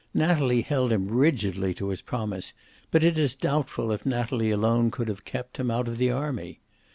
Natalie held him rigidly to his promise, but it is doubtful if Natalie alone could have kept, him out of the army.